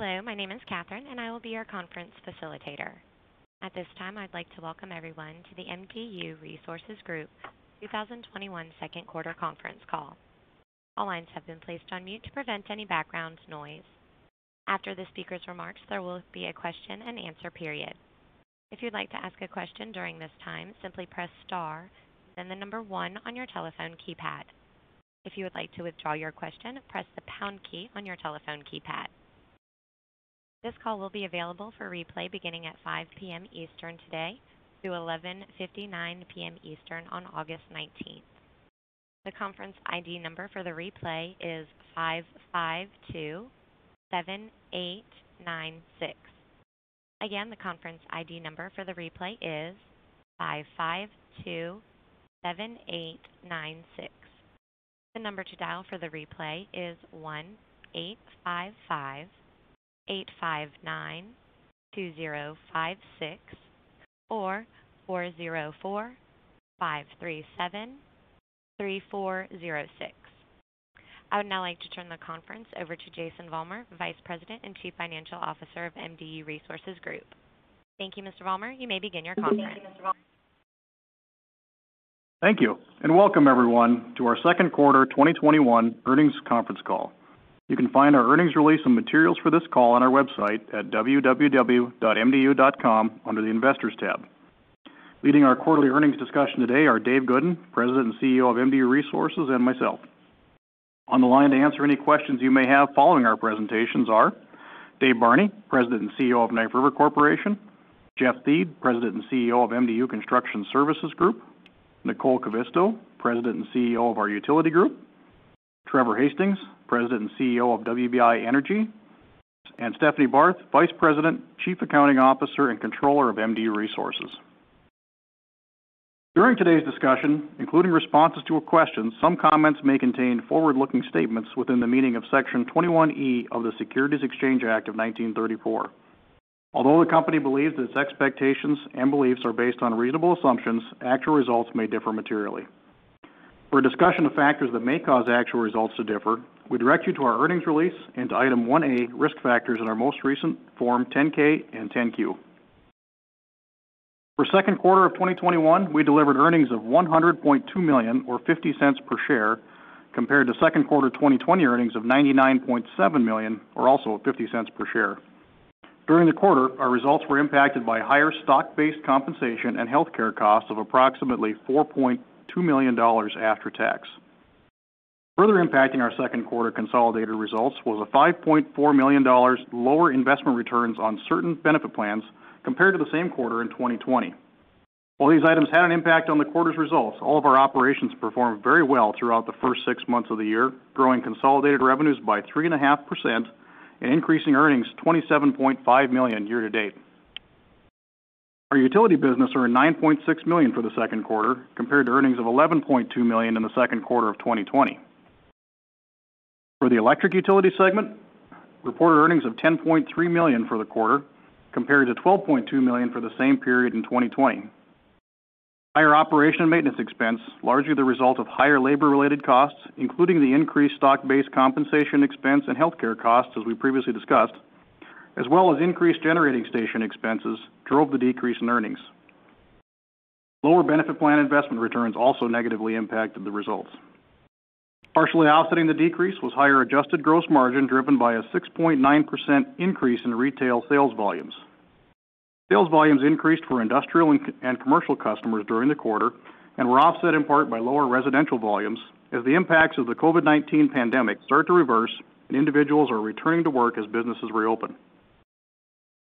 Hello, my name is Catherine, and I will be your conference facilitator. At this time, I'd like to welcome everyone to the MDU Resources Group 2021 second quarter conference call. All lines have been placed on mute to prevent any background noise. After the speaker's remarks, there will be a Q&A period. If you'd like to ask a question during this time, simply press star, then the number one on your telephone keypad. If you would like to withdraw your question, press the pound key on your telephone keypad. This call will be available for replay beginning at 5:00 PM Eastern today through 11:59 PM Eastern on August 19th. The conference ID number for the replay is 5527896. Again, the conference ID number for the replay is 5527896. The number to dial for the replay is 1-855-859-2056 or 404-537-3406. I would now like to turn the conference over to Jason Vollmer, Vice President and Chief Financial Officer of MDU Resources Group. Thank you, Mr. Vollmer. You may begin your conference. Thank you. Welcome everyone to our second quarter 2021 earnings conference call. You can find our earnings release and materials for this call on our website at www.mdu.com under the investors tab. Leading our quarterly earnings discussion today are Dave Goodin, President and CEO of MDU Resources, and myself. On the line to answer any questions you may have following our presentations are Dave Barney, President and CEO of Knife River Corporation, Jeff Thiede, President and CEO of MDU Construction Services Group, Nicole Kivisto, President and CEO of our Utility Group, Trevor Hastings, President and CEO of WBI Energy, and Stephanie Barth, Vice President, Chief Accounting Officer, and Controller of MDU Resources. During today's discussion, including responses to a question, some comments may contain forward-looking statements within the meaning of Section 21E of the Securities Exchange Act of 1934. Although the company believes that its expectations and beliefs are based on reasonable assumptions, actual results may differ materially. For a discussion of factors that may cause actual results to differ, we direct you to our earnings release and to Item 1A, Risk Factors, in our most recent Form 10-K and 10-Q. For second quarter of 2021, we delivered earnings of $100.2 million, or $0.50 per share, compared to second quarter 2020 earnings of $99.7 million, or also $0.50 per share. During the quarter, our results were impacted by higher stock-based compensation and healthcare costs of approximately $4.2 million after tax. Further impacting our second quarter consolidated results was a $5.4 million lower investment returns on certain benefit plans compared to the same quarter in 2020. While these items had an impact on the quarter's results, all of our operations performed very well throughout the first six months of the year, growing consolidated revenues by 3.5% and increasing earnings $27.5 million year-to-date. Our utility business earned $9.6 million for the second quarter compared to earnings of $11.2 million in the second quarter of 2020. For the electric utility segment, reported earnings of $10.3 million for the quarter compared to $12.2 million for the same period in 2020. Higher operation and maintenance expense, largely the result of higher labor-related costs, including the increased stock-based compensation expense and healthcare costs as we previously discussed, as well as increased generating station expenses, drove the decrease in earnings. Lower benefit plan investment returns also negatively impacted the results. Partially offsetting the decrease was higher adjusted gross margin driven by a 6.9% increase in retail sales volumes. Sales volumes increased for industrial and commercial customers during the quarter and were offset in part by lower residential volumes as the impacts of the COVID-19 pandemic start to reverse and individuals are returning to work as businesses reopen.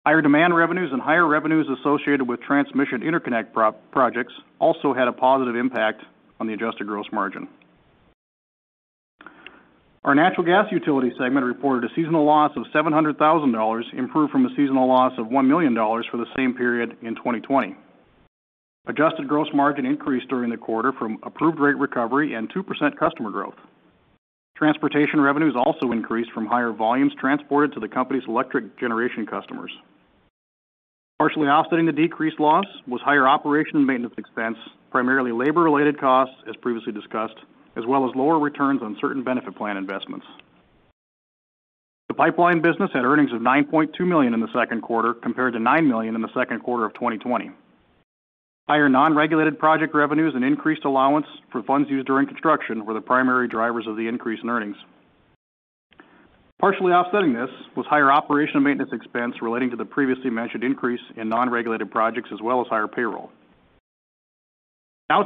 Higher demand revenues and higher revenues associated with transmission interconnect projects also had a positive impact on the adjusted gross margin. Our natural gas utility segment reported a seasonal loss of $700,000, improved from a seasonal loss of $1 million for the same period in 2020. Adjusted gross margin increased during the quarter from approved rate recovery and 2% customer growth. Transportation revenues also increased from higher volumes transported to the company's electric generation customers. Partially offsetting the decreased loss was higher operation and maintenance expense, primarily labor-related costs as previously discussed, as well as lower returns on certain benefit plan investments. The pipeline business had earnings of $9.2 million in the second quarter compared to $9 million in the second quarter of 2020. Higher non-regulated project revenues and increased allowance for funds used during construction were the primary drivers of the increase in earnings. Partially offsetting this was higher operation and maintenance expense relating to the previously mentioned increase in non-regulated projects, as well as higher payroll.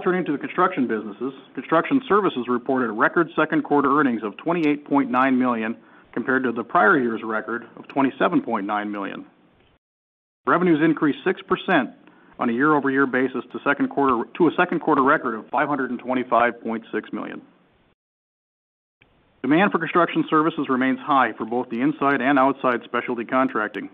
Turning to the construction businesses. Construction services reported record second quarter earnings of $28.9 million compared to the prior year's record of $27.9 million. Revenues increased 6% on a year-over-year basis to a second quarter record of $525.6 million. Demand for construction services remains high for both the inside and outside specialty contracting.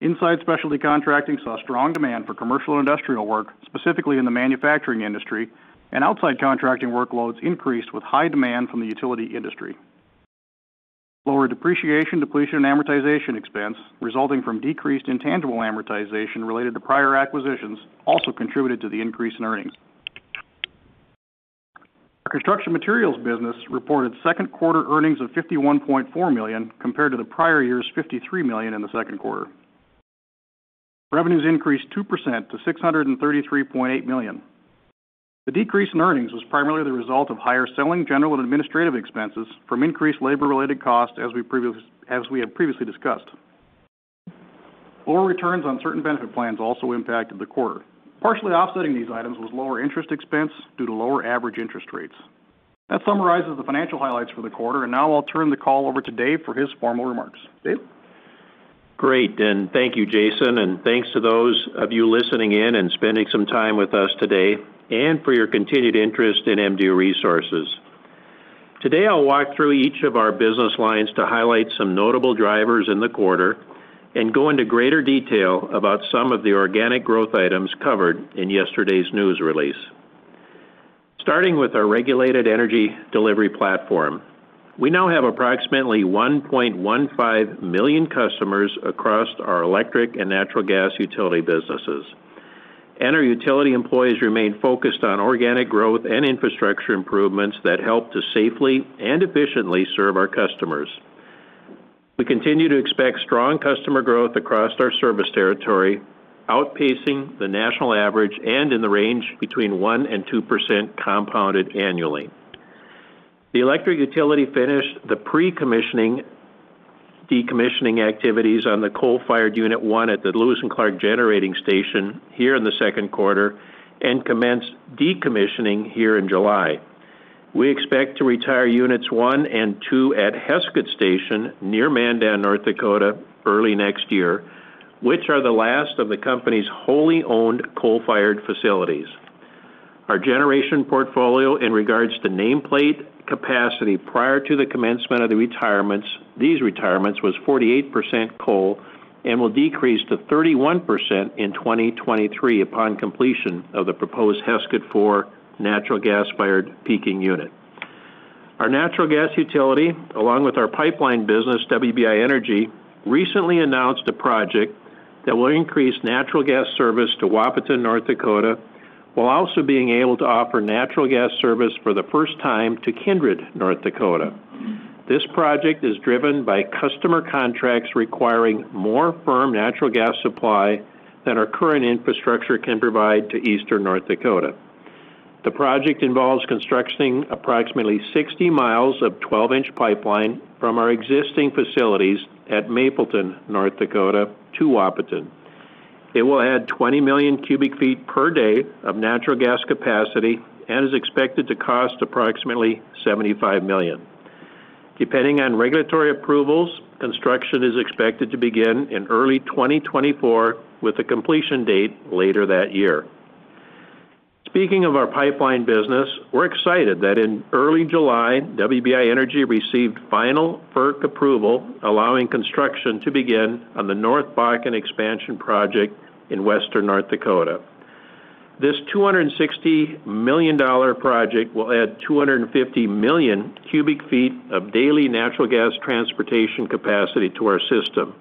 Inside specialty contracting saw strong demand for commercial and industrial work, specifically in the manufacturing industry, and outside contracting workloads increased with high demand from the utility industry. Lower depreciation, depletion, and amortization expense, resulting from decreased intangible amortization related to prior acquisitions, also contributed to the increase in earnings. Our construction materials business reported second quarter earnings of $51.4 million, compared to the prior year's $53 million in the second quarter. Revenues increased 2% to $633.8 million. The decrease in earnings was primarily the result of higher selling, general, and administrative expenses from increased labor-related costs, as we had previously discussed. Lower returns on certain benefit plans also impacted the quarter. Partially offsetting these items was lower interest expense due to lower average interest rates. That summarizes the financial highlights for the quarter. Now I'll turn the call over to Dave for his formal remarks. Dave? Great, thank you, Jason, and thanks to those of you listening in and spending some time with us today and for your continued interest in MDU Resources. Today, I will walk through each of our business lines to highlight some notable drivers in the quarter and go into greater detail about some of the organic growth items covered in yesterday's news release. Starting with our regulated energy delivery platform, we now have approximately 1.15 million customers across our electric and natural gas utility businesses, and our utility employees remain focused on organic growth and infrastructure improvements that help to safely and efficiently serve our customers. We continue to expect strong customer growth across our service territory, outpacing the national average and in the range between 1% and 2% compounded annually. The electric utility finished the pre-commissioning, decommissioning activities on the coal-fired unit one at the Lewis and Clark Generating Station here in the second quarter and commenced decommissioning here in July. We expect to retire units one and two at Heskett Station near Mandan, North Dakota, early next year, which are the last of the company's wholly owned coal-fired facilities. Our generation portfolio in regards to nameplate capacity prior to the commencement of these retirements was 48% coal and will decrease to 31% in 2023 upon completion of the proposed Heskett 4 natural gas-fired peaking unit. Our natural gas utility, along with our pipeline business, WBI Energy, recently announced a project that will increase natural gas service to Wahpeton, North Dakota, while also being able to offer natural gas service for the first time to Kindred, North Dakota. This project is driven by customer contracts requiring more firm natural gas supply than our current infrastructure can provide to eastern North Dakota. The project involves constructing approximately 60 miles of 12-inch pipeline from our existing facilities at Mapleton, North Dakota, to Wahpeton. It will add 20,000,000 cu ft per day of natural gas capacity and is expected to cost approximately $75 million. Depending on regulatory approvals, construction is expected to begin in early 2024 with a completion date later that year. Speaking of our pipeline business, we're excited that in early July, WBI Energy received final FERC approval, allowing construction to begin on the North Bakken Expansion project in western North Dakota. This $260 million project will add 250,000,000 cu ft of daily natural gas transportation capacity to our system,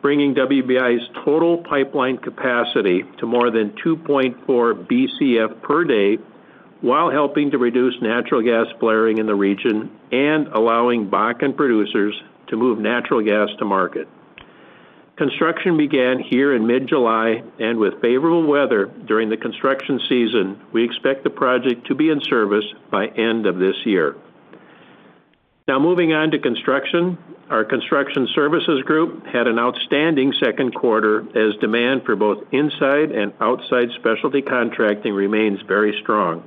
bringing WBI's total pipeline capacity to more than 2.4 BCF per day while helping to reduce natural gas flaring in the region and allowing Bakken producers to move natural gas to market. With favorable weather during the construction season, we expect the project to be in service by end of this year. Moving on to construction. Our Construction Services Group had an outstanding second quarter as demand for both inside and outside specialty contracting remains very strong.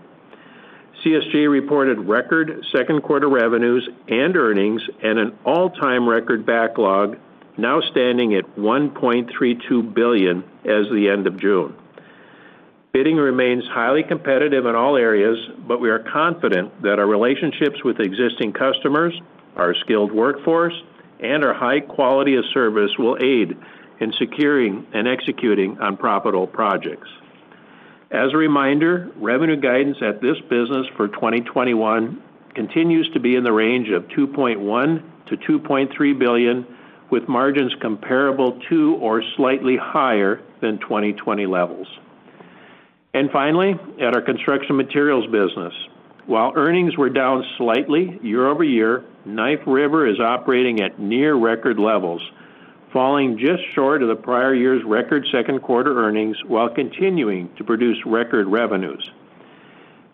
CSG reported record second-quarter revenues and earnings and an all-time record backlog, now standing at $1.32 billion as of the end of June. Bidding remains highly competitive in all areas, but we are confident that our relationships with existing customers, our skilled workforce, and our high quality of service will aid in securing and executing on profitable projects. As a reminder, revenue guidance at this business for 2021 continues to be in the range of $2.1 billion-$2.3 billion, with margins comparable to or slightly higher than 2020 levels. Finally, at our construction materials business, while earnings were down slightly year-over-year, Knife River is operating at near record levels, falling just short of the prior year's record second-quarter earnings while continuing to produce record revenues.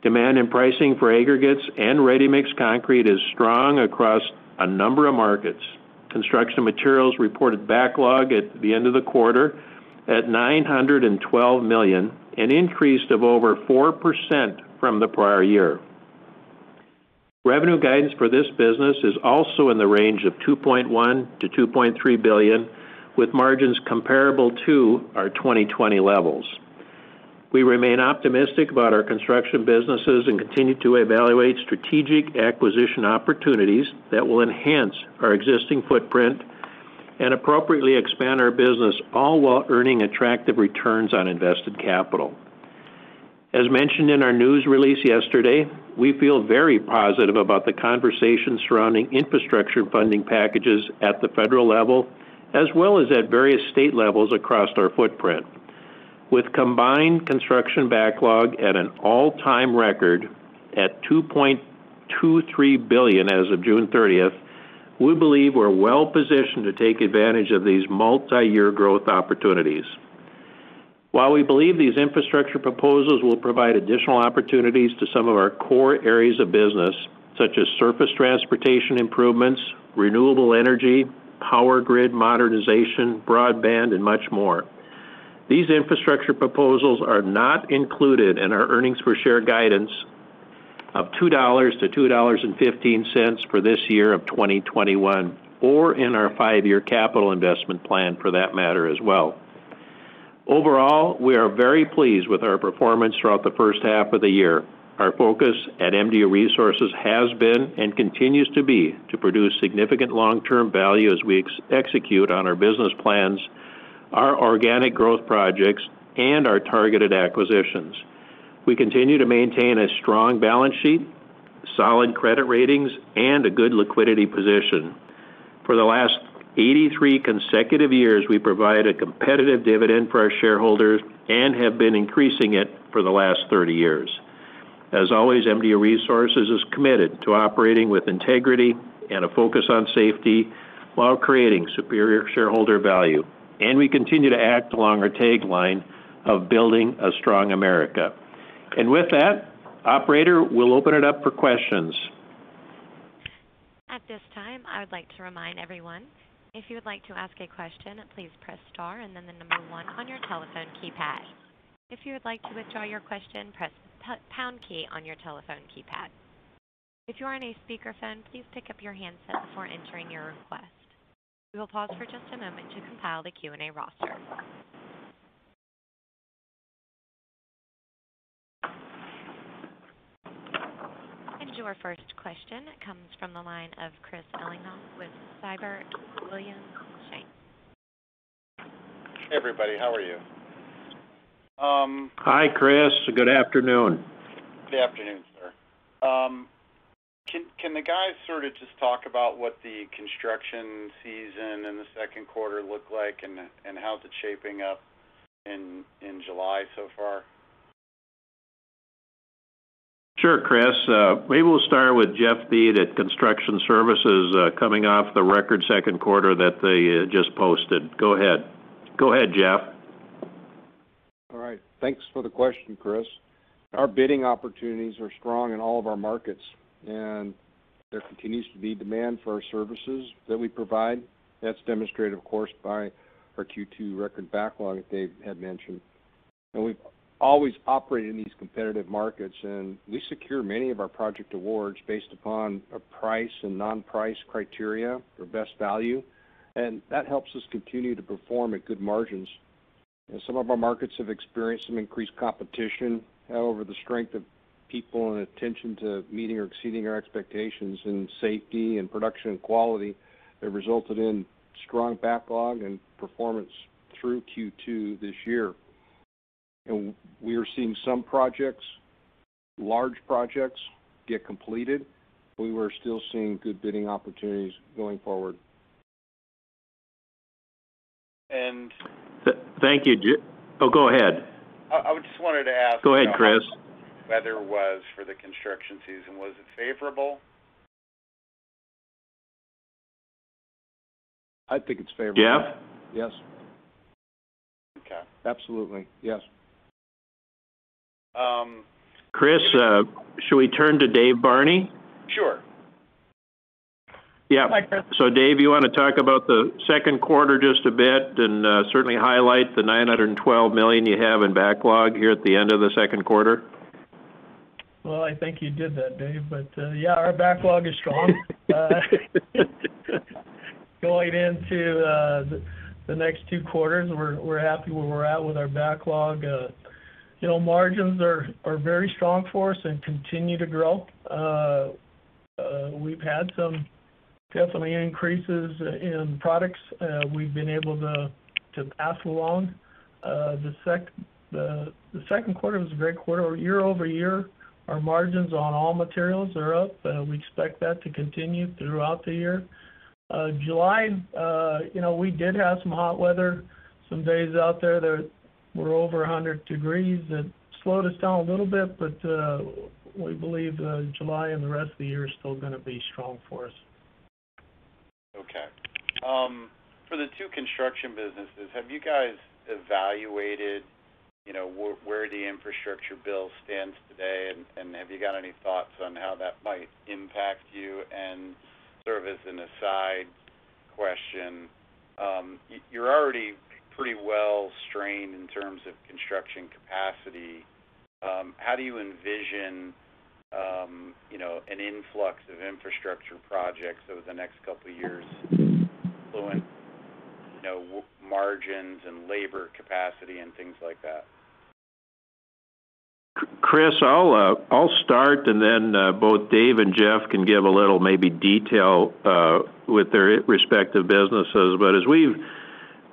Demand and pricing for aggregates and ready-mix concrete is strong across a number of markets. Construction materials reported backlog at the end of the quarter at $912 million, an increase of over 4% from the prior year. Revenue guidance for this business is also in the range of $2.1 billion-$2.3 billion, with margins comparable to our 2020 levels. We remain optimistic about our construction businesses and continue to evaluate strategic acquisition opportunities that will enhance our existing footprint and appropriately expand our business, all while earning attractive returns on invested capital. As mentioned in our news release yesterday, we feel very positive about the conversation surrounding infrastructure funding packages at the federal level, as well as at various state levels across our footprint. With combined construction backlog at an all-time record at $2.23 billion as of June 30th, we believe we're well positioned to take advantage of these multi-year growth opportunities. While we believe these infrastructure proposals will provide additional opportunities to some of our core areas of business, such as surface transportation improvements, renewable energy, power grid modernization, broadband, and much more. These infrastructure proposals are not included in our earnings per share guidance of $2-$2.15 for this year of 2021, or in our five-year capital investment plan for that matter as well. Overall, we are very pleased with our performance throughout the first half of the year. Our focus at MDU Resources has been, and continues to be, to produce significant long-term value as we execute on our business plans, our organic growth projects, and our targeted acquisitions. We continue to maintain a strong balance sheet, solid credit ratings, and a good liquidity position. For the last 83 consecutive years, we provided a competitive dividend for our shareholders and have been increasing it for the last 30 years. As always, MDU Resources is committed to operating with integrity and a focus on safety while creating superior shareholder value, and we continue to act along our tagline of Building a Strong America. With that, operator, we'll open it up for questions. At this time, I would like to remind everyone, if you would like to ask a question, please press star and then the number one on your telephone keypad. If you would like to withdraw your question, press the pound key on your telephone keypad. If you are on a speakerphone, please pick up your handset before entering your request. We will pause for just a moment to compile the Q&A roster. Your first question comes from the line of Chris Ellinghaus with Siebert Williams Shank. Hey, everybody. How are you? Hi, Chris. Good afternoon. Good afternoon, sir. Can the guys sort of just talk about what the construction season in the second quarter looked like and how's it shaping up in July so far? Sure, Chris. Maybe we'll start with Jeff Thiede at Construction Services, coming off the record second quarter that they just posted. Go ahead, Jeff. All right. Thanks for the question, Chris. Our bidding opportunities are strong in all of our markets, and there continues to be demand for our services that we provide. That's demonstrated, of course, by our Q2 record backlog that Dave had mentioned. We've always operated in these competitive markets, and we secure many of our project awards based upon a price and non-price criteria for best value. That helps us continue to perform at good margins. Some of our markets have experienced some increased competition. However, the strength of people and attention to meeting or exceeding our expectations in safety and production and quality have resulted in strong backlog and performance through Q2 this year. We are seeing some projects, large projects, get completed. We are still seeing good bidding opportunities going forward. And- Thank you, Jeff. Go ahead. I just wanted to ask. Go ahead, Chris how weather was for the construction season. Was it favorable? I think it's favorable. Jeff? Yes. Okay. Absolutely. Yes. Chris, shall we turn to Dave Barney? Sure. Yeah. Dave, you want to talk about the second quarter just a bit, and certainly highlight the $912 million you have in backlog here at the end of the second quarter? Well, I think you did that, Dave. Yeah, our backlog is strong. Going into the next two quarters, we're happy where we're at with our backlog. Margins are very strong for us and continue to grow. We've had some definitely increases in products. We've been able to pass along. The second quarter was a great quarter. Year-over-year, our margins on all materials are up. We expect that to continue throughout the year. July, we did have some hot weather, some days out there that were over 100 degrees. It slowed us down a little bit. We believe July and the rest of the year is still gonna be strong for us. Okay. For the two construction businesses, have you guys evaluated where the infrastructure bill stands today? Have you got any thoughts on how that might impact you? Sort of as an aside question, you're already pretty well strained in terms of construction capacity. How do you envision an influx of infrastructure projects over the next couple of years influence margins and labor capacity and things like that? Chris, I'll start, and then both Dave and Jeff can give a little maybe detail with their respective businesses. As we've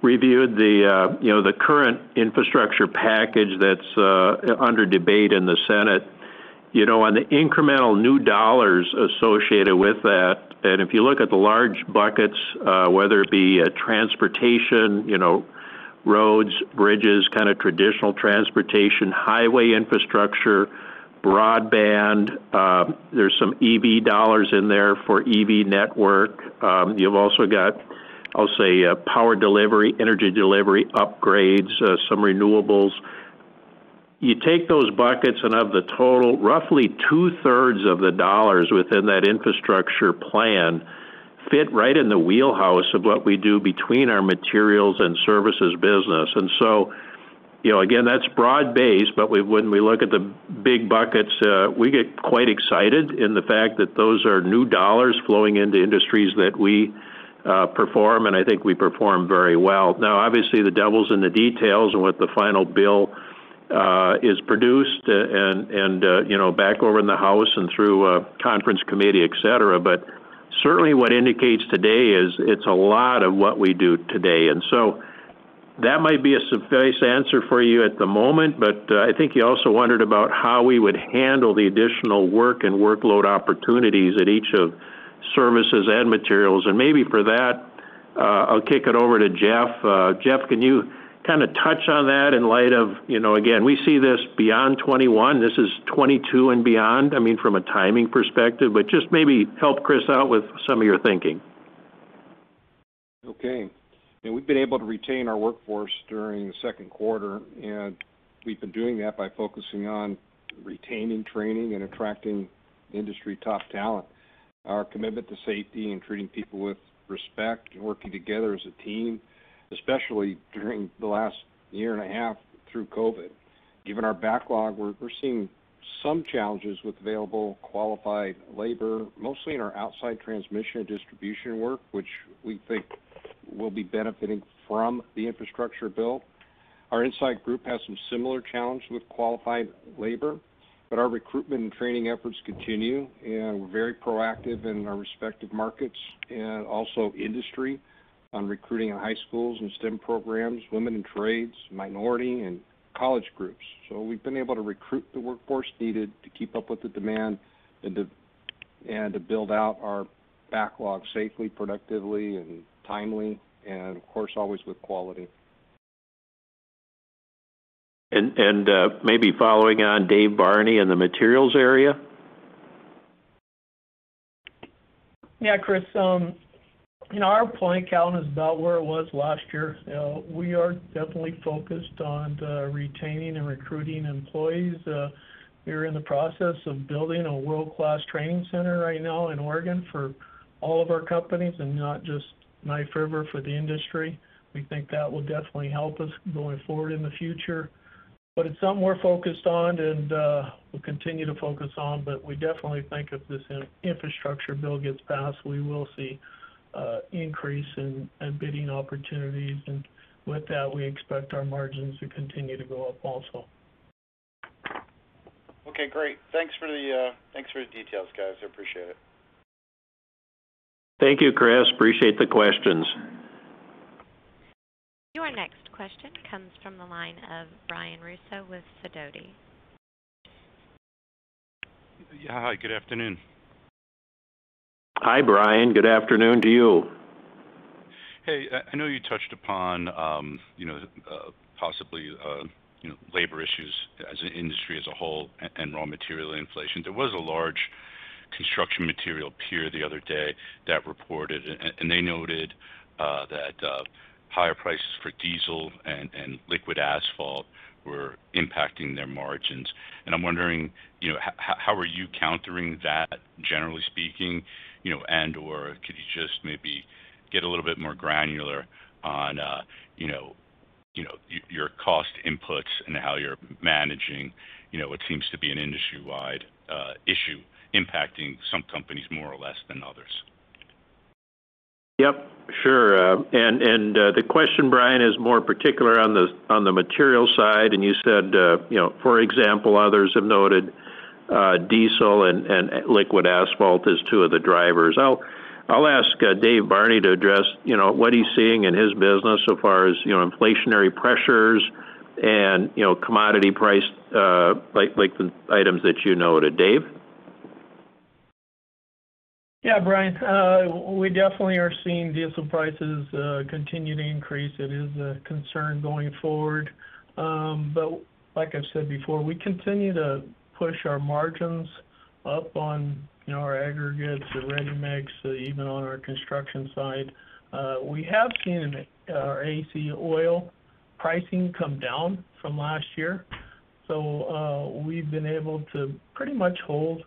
reviewed the current infrastructure package that's under debate in the Senate. On the incremental new dollars associated with that, and if you look at the large buckets, whether it be transportation, roads, bridges, kind of traditional transportation, highway infrastructure, broadband. There's some EV dollars in there for EV network. You've also got, I'll say, power delivery, energy delivery upgrades, some renewables. You take those buckets, and of the total, roughly two-thirds of the dollars within that infrastructure plan fit right in the wheelhouse of what we do between our materials and services business. Again, that's broad-based, but when we look at the big buckets, we get quite excited in the fact that those are new dollars flowing into industries that we perform, and I think we perform very well. Obviously, the devil's in the details and what the final bill is produced and back over in the House and through conference committee, et cetera. Certainly, what indicates today is it's a lot of what we do today. That might be a suffice answer for you at the moment, but I think you also wondered about how we would handle the additional work and workload opportunities at each of services and materials. Maybe for that, I'll kick it over to Jeff. Jeff, can you kind of touch on that in light of, again, we see this beyond 2021. This is 2022 and beyond, I mean, from a timing perspective, but just maybe help Chris out with some of your thinking. Okay. We've been able to retain our workforce during the second quarter, and we've been doing that by focusing on retaining, training, and attracting industry top talent. Our commitment to safety and treating people with respect and working together as a team, especially during the last year and a half through COVID-19. Given our backlog, we're seeing some challenges with available qualified labor, mostly in our outside transmission or distribution work, which we think will be benefiting from the infrastructure bill. Our inside group has some similar challenge with qualified labor, but our recruitment and training efforts continue, and we're very proactive in our respective markets and also industry on recruiting in high schools and STEM programs, women in trades, minority, and college groups. We've been able to recruit the workforce needed to keep up with the demand and to build out our backlog safely, productively, and timely, and of course, always with quality. Maybe following on, Dave Barney in the materials area? Yeah, Chris. Our employee count is about where it was last year. We are definitely focused on the retaining and recruiting employees. We are in the process of building a world-class training center right now in Oregon for all of our companies and not just Knife River for the industry. We think that will definitely help us going forward in the future. It's something we're focused on and we'll continue to focus on. We definitely think if this infrastructure bill gets passed, we will see increase in bidding opportunities. With that, we expect our margins to continue to go up also. Okay, great. Thanks for the details, guys. I appreciate it. Thank you, Chris. Appreciate the questions. Your next question comes from the line of Brian Russo with Sidoti. Yeah, Hi. Good afternoon. Hi, Brian. Good afternoon to you. Hey, I know you touched upon possibly labor issues as an industry as a whole and raw material inflation. There was a large construction material peer the other day that reported, and they noted that higher prices for diesel and liquid asphalt were impacting their margins. I'm wondering, how are you countering that, generally speaking? Could you just maybe get a little bit more granular on your cost inputs and how you're managing what seems to be an industry-wide issue impacting some companies more or less than others? Yep. Sure. The question, Brian, is more particular on the material side, and you said, for example, others have noted diesel and liquid asphalt as two of the drivers. I'll ask Dave Barney to address what he's seeing in his business so far as inflationary pressures and commodity price, like the items that you noted. Dave? Yeah, Brian Russo. We definitely are seeing diesel prices continue to increase. It is a concern going forward. Like I've said before, we continue to push our margins up on our aggregates, the ready-mix, even on our construction side. We have seen our AC oil pricing come down from last year. We've been able to pretty much hold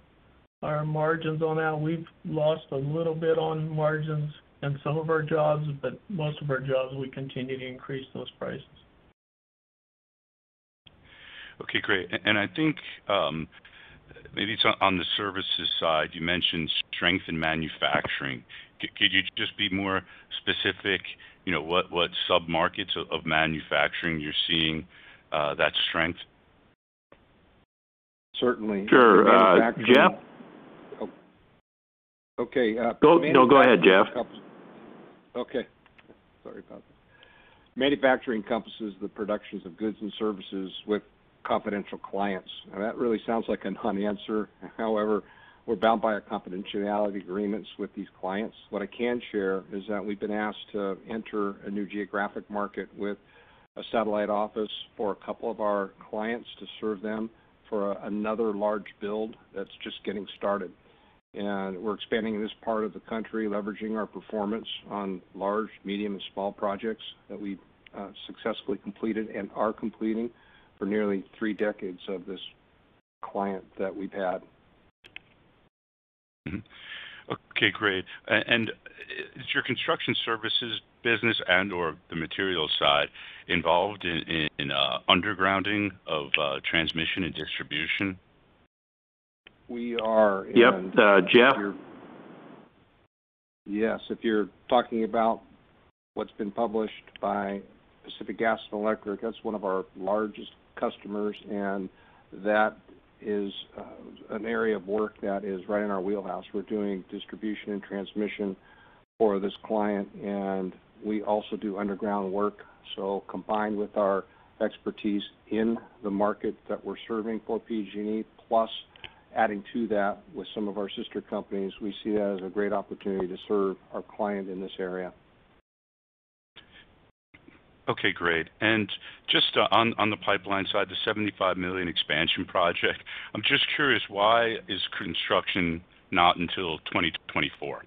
our margins on that. We've lost a little bit on margins in some of our jobs, Most of our jobs, we continue to increase those prices. Okay, great. I think, maybe it's on the services side, you mentioned strength in manufacturing. Could you just be more specific, what sub-markets of manufacturing you're seeing that strength? Certainly. Sure. Jeff? Okay. No, go ahead, Jeff. Okay. Sorry about that. Manufacturing encompasses the productions of goods and services with confidential clients. That really sounds like a non-answer. However, we're bound by our confidentiality agreements with these clients. What I can share is that we've been asked to enter a new geographic market with a satellite office for two of our clients to serve them for another large build that's just getting started. We're expanding in this part of the country, leveraging our performance on large, medium, and small projects that we've successfully completed and are completing for nearly three decades of this client that we've had. Okay, great. Is your construction services business and/or the materials side involved in undergrounding of transmission and distribution? We are. Yep. Jeff? Yes. If you're talking about what's been published by Pacific Gas and Electric, that's one of our largest customers, that is an area of work that is right in our wheelhouse. We're doing distribution and transmission for this client, we also do underground work. Combined with our expertise in the market that we're serving for PG&E, plus adding to that with some of our sister companies, we see that as a great opportunity to serve our client in this area. Okay, great. Just on the pipeline side, the $75 million expansion project, I'm just curious, why is construction not until 2024? Yep.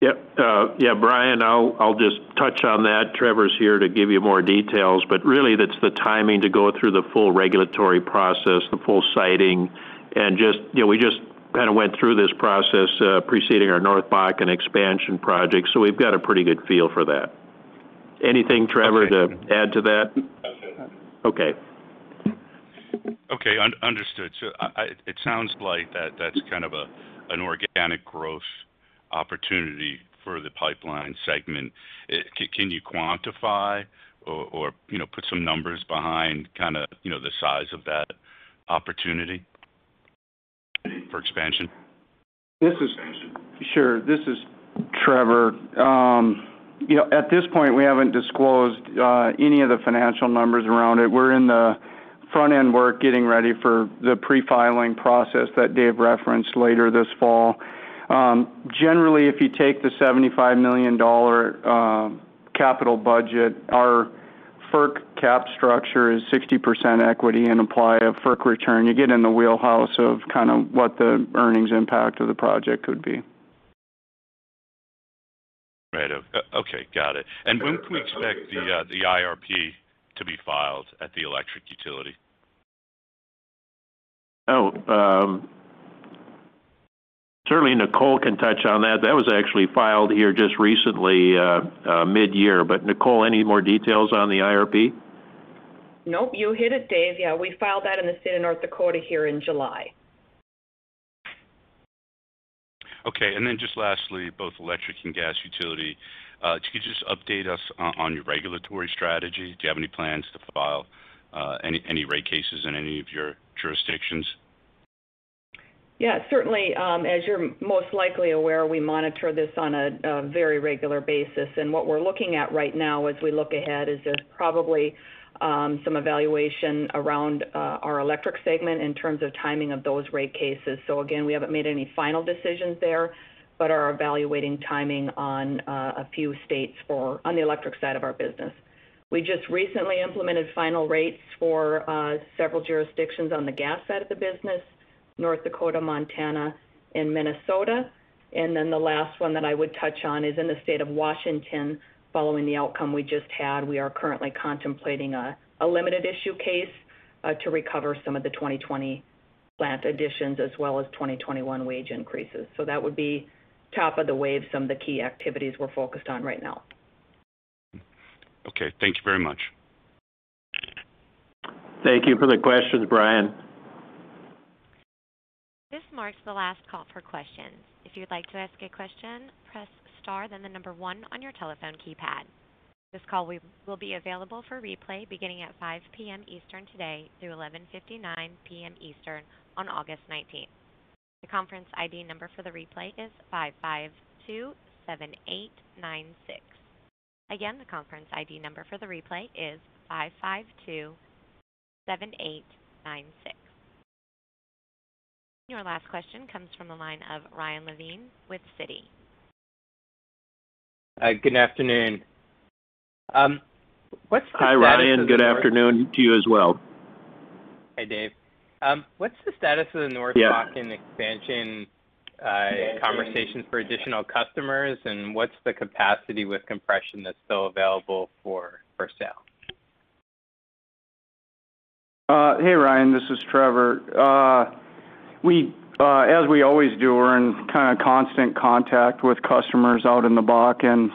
Yeah, Brian, I'll just touch on that. Trevor's here to give you more details. Really that's the timing to go through the full regulatory process, the full siting. We just kind of went through this process preceding our North Bakken Expansion project. We've got a pretty good feel for that. Anything, Trevor, to add to that? That's it. Okay. Okay, understood. It sounds like that's kind of an organic growth opportunity for the pipeline segment. Can you quantify or put some numbers behind the size of that opportunity for expansion? Sure. This is Trevor. At this point, we haven't disclosed any of the financial numbers around it. We're in the front-end work getting ready for the pre-filing process that Dave referenced later this fall. If you take the $75 million capital budget, our FERC capital structure is 60% equity and apply a FERC return, you get in the wheelhouse of kind of what the earnings impact of the project could be. Right. Okay, got it. When can we expect the IRP to be filed at the electric utility? Certainly Nicole can touch on that. That was actually filed here just recently, midyear. Nicole, any more details on the IRP? Nope, you hit it, Dave. Yeah, we filed that in the state of North Dakota here in July. Okay, then just lastly, both electric and gas utility, could you just update us on your regulatory strategy? Do you have any plans to file any rate cases in any of your jurisdictions? Yeah, certainly. As you're most likely aware, we monitor this on a very regular basis. What we're looking at right now as we look ahead is just probably some evaluation around our electric segment in terms of timing of those rate cases. Again, we haven't made any final decisions there, but are evaluating timing on a few states on the electric side of our business. We just recently implemented final rates for several jurisdictions on the gas side of the business, North Dakota, Montana, and Minnesota. The last one that I would touch on is in the state of Washington. Following the outcome we just had, we are currently contemplating a limited issue case to recover some of the 2020 plant additions as well as 2021 wage increases. That would be top of the wave, some of the key activities we're focused on right now. Okay. Thank you very much. Thank you for the questions, Brian. Your last question comes from the line of Ryan Levine with Citi. Hi, good afternoon. Hi, Ryan. Good afternoon to you as well. Hey, Dave. What's the status of the North Bakken Expansion conversations for additional customers, and what's the capacity with compression that's still available for sale? Hey, Ryan, this is Trevor. As we always do, we're in kind of constant contact with customers out in the Bakken.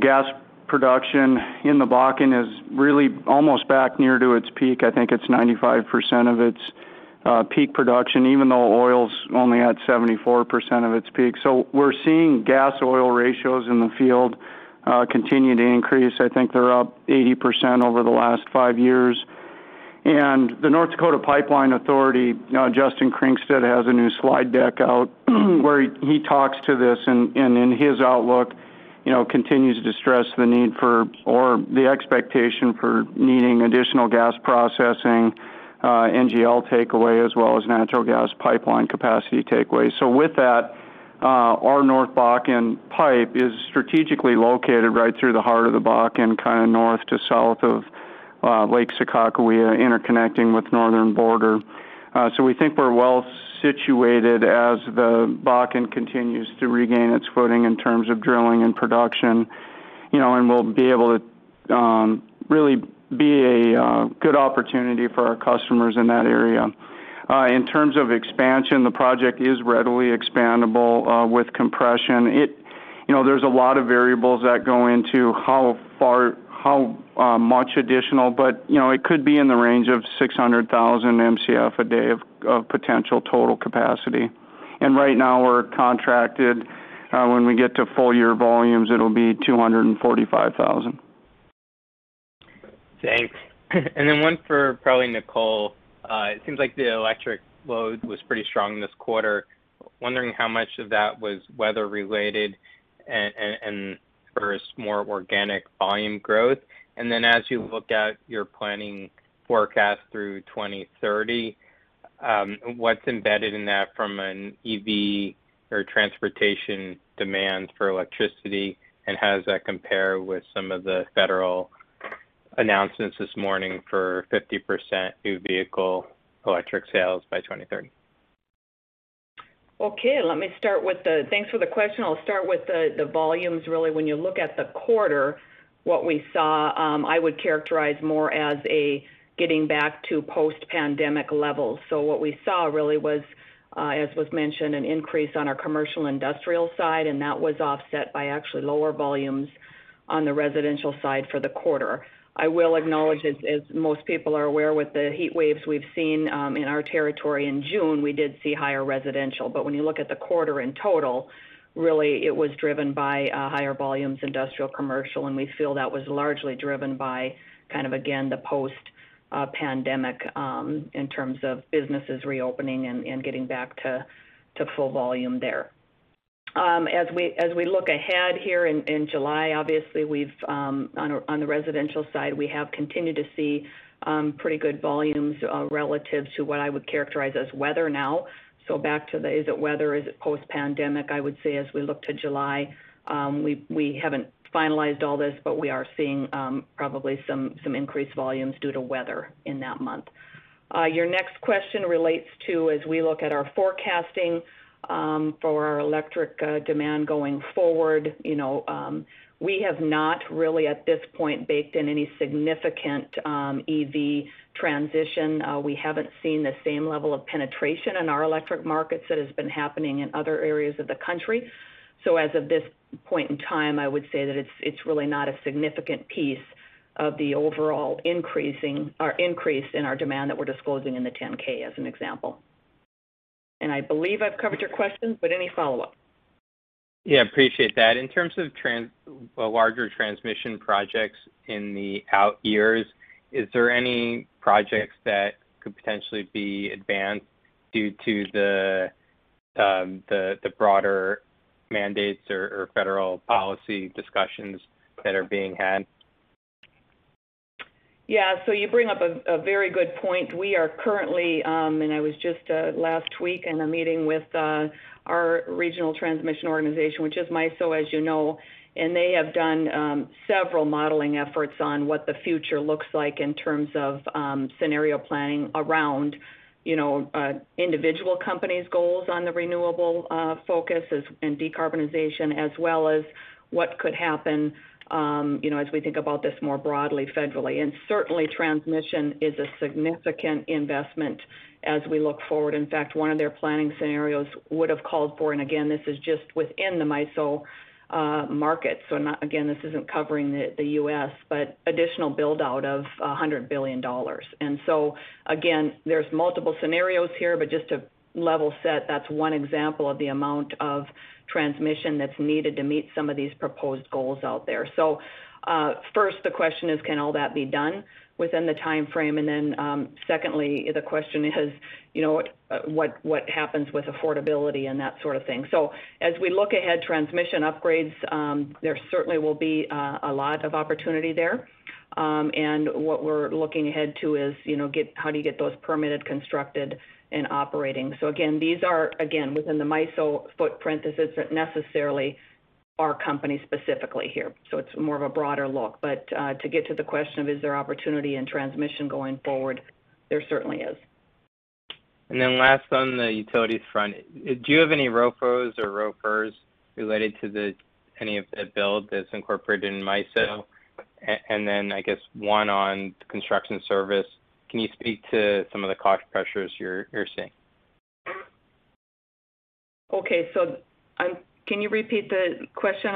Gas production in the Bakken is really almost back near to its peak. I think it's 95% of its peak production, even though oil's only at 74% of its peak. We're seeing gas-oil ratios in the field Continue to increase. I think they're up 80% over the last five years. The North Dakota Pipeline Authority, Justin Kringstad, has a new slide deck out where he talks to this, and in his outlook, continues to stress the need for, or the expectation for needing additional gas processing, NGL takeaway, as well as natural gas pipeline capacity takeaway. With that, our North Bakken pipe is strategically located right through the heart of the Bakken, kind of north to south of Lake Sakakawea, interconnecting with Northern Border. We think we're well-situated as the Bakken continues to regain its footing in terms of drilling and production, and we'll be able to really be a good opportunity for our customers in that area. In terms of expansion, the project is readily expandable with compression. There's a lot of variables that go into how much additional, but it could be in the range of 600,000 Mcf a day of potential total capacity. Right now, we're contracted. When we get to full year volumes, it'll be 245,000. Thanks. One for probably Nicole. It seems like the electric load was pretty strong this quarter. Wondering how much of that was weather related and versus more organic volume growth? As you look at your planning forecast through 2030, what's embedded in that from an EV or transportation demand for electricity, and how does that compare with some of the federal announcements this morning for 50% new vehicle electric sales by 2030? Okay. Thanks for the question. I'll start with the volumes, really. When you look at the quarter, what we saw, I would characterize more as a getting back to post-pandemic levels. What we saw really was, as was mentioned, an increase on our commercial industrial side, and that was offset by actually lower volumes on the residential side for the quarter. I will acknowledge, as most people are aware with the heat waves we've seen in our territory in June, we did see higher residential. When you look at the quarter in total, really, it was driven by higher volumes industrial commercial, and we feel that was largely driven by kind of, again, the post-pandemic, in terms of businesses reopening and getting back to full volume there. We look ahead here in July, obviously on the residential side, we have continued to see pretty good volumes relative to what I would characterize as weather now. Back to the is it weather, is it post-pandemic? I would say as we look to July, we haven't finalized all this, we are seeing probably some increased volumes due to weather in that month. Your next question relates to, as we look at our forecasting for our electric demand going forward, we have not really, at this point, baked in any significant EV transition. We haven't seen the same level of penetration in our electric markets that has been happening in other areas of the country. As of this point in time, I would say that it's really not a significant piece of the overall increase in our demand that we're disclosing in the 10-K, as an example. I believe I've covered your questions, but any follow-up? Yeah, appreciate that. In terms of larger transmission projects in the out years, is there any projects that could potentially be advanced due to the broader mandates or federal policy discussions that are being had? Yeah. You bring up a very good point. We are currently, I was just last week in a meeting with our regional transmission organization, which is MISO, as you know, they have done several modeling efforts on what the future looks like in terms of scenario planning around individual companies' goals on the renewable focus and decarbonization, as well as what could happen as we think about this more broadly federally. Certainly, transmission is a significant investment as we look forward. In fact, one of their planning scenarios would've called for, again, this is just within the MISO market, again, this isn't covering the U.S., additional build-out of $100 billion. Again, there's multiple scenarios here, just to level set, that's one example of the amount of transmission that's needed to meet some of these proposed goals out there. First the question is, can all that be done within the timeframe? Secondly, the question is, what happens with affordability and that sort of thing? As we look ahead, transmission upgrades, there certainly will be a lot of opportunity there. What we're looking ahead to is how do you get those permitted, constructed, and operating? These are, again, within the MISO footprint. This isn't necessarily our company specifically here, so it's more of a broader look. To get to the question of is there opportunity in transmission going forward, there certainly is. Last on the utilities front, do you have any ROFOs or ROFRs related to any of the build that's incorporated in MISO? I guess one on construction service, can you speak to some of the cost pressures you're seeing? Okay. Can you repeat the question?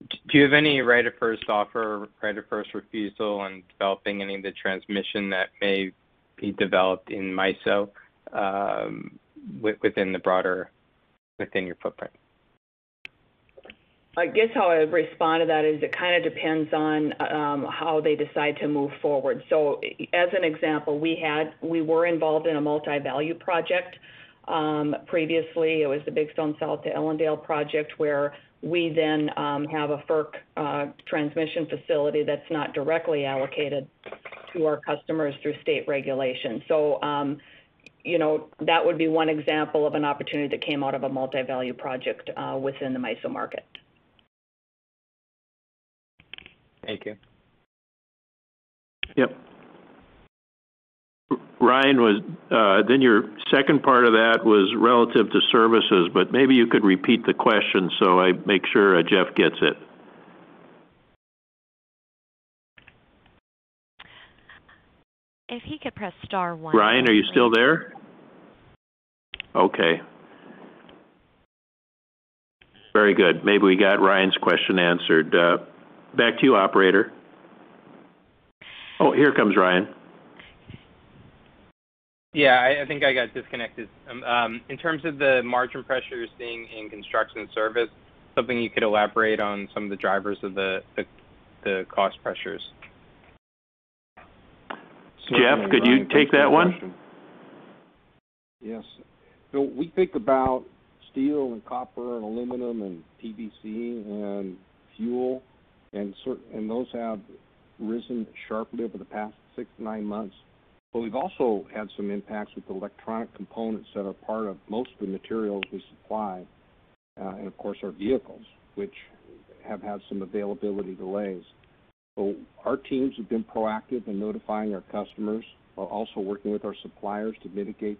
Do you have any right of first offer or right of first refusal on developing any of the transmission that may be developed in MISO, within the broader, within your footprint? I guess how I would respond to that is it depends on how they decide to move forward. As an example, we were involved in a multi-value project. Previously, it was the Big Stone South to Ellendale project, where we then have a FERC transmission facility that's not directly allocated to our customers through state regulation. That would be one example of an opportunity that came out of a multi-value project within the MISO market. Thank you. Yep. Ryan, your second part of that was relative to services, maybe you could repeat the question so I make sure Jeff gets it. If he could press star one- Ryan, are you still there? Okay. Very good. Maybe we got Ryan's question answered. Back to you, operator. Oh, here comes Ryan. Yeah, I think I got disconnected. In terms of the margin pressures being in construction service, something you could elaborate on some of the drivers of the cost pressures? Jeff, could you take that one? Yes. We think about steel and copper and aluminum and PVC and fuel, and those have risen sharply over the past six-nine months. We've also had some impacts with electronic components that are part of most of the materials we supply. Of course, our vehicles, which have had some availability delays. Our teams have been proactive in notifying our customers, while also working with our suppliers to mitigate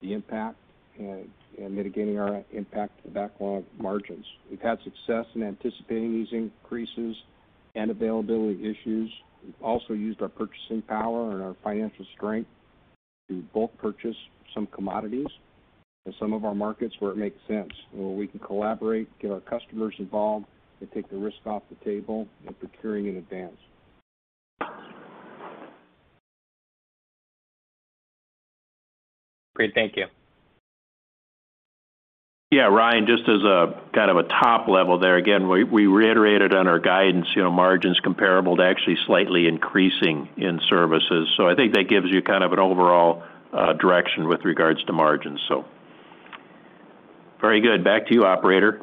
the impact and mitigating our impact to backlog margins. We've had success in anticipating these increases and availability issues. We've also used our purchasing power and our financial strength to bulk purchase some commodities in some of our markets where it makes sense, where we can collaborate, get our customers involved, and take the risk off the table in procuring in advance. Great, thank you. Yeah, Ryan, just as a top level there, again, we reiterated on our guidance, margins comparable to actually slightly increasing in services. I think that gives you an overall direction with regards to margins. Very good. Back to you, operator.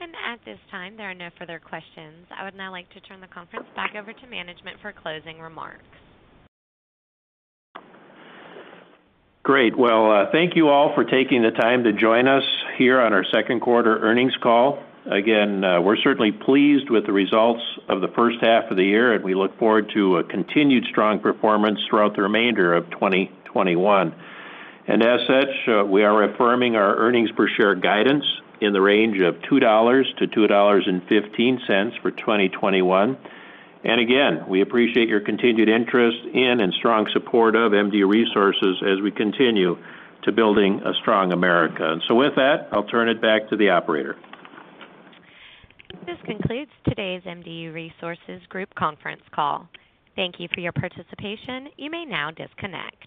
At this time, there are no further questions. I would now like to turn the conference back over to management for closing remarks. Well, thank you all for taking the time to join us here on our second quarter earnings call. We're certainly pleased with the results of the first half of the year, and we look forward to a continued strong performance throughout the remainder of 2021. As such, we are affirming our earnings per share guidance in the range of $2-$2.15 for 2021. We appreciate your continued interest in and strong support of MDU Resources as we continue to building a strong America. So with that, I'll turn it back to the operator. This concludes today's MDU Resources Group conference call. Thank you for your participation. You may now disconnect.